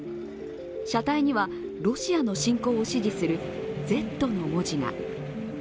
車体には、ロシアの侵攻を支持する「Ｚ」の文字が。